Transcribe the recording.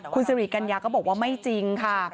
คุณสิริกัญญาก็บอกว่าไม่จริงค่ะ